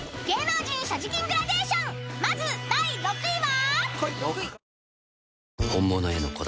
［まず第６位は］